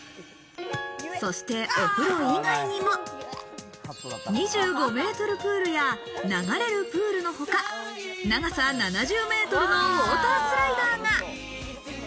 そしてお風呂以外にも、２５メートルプールや流れるプールのほか、長さ７０メートルのウォータースライダーが。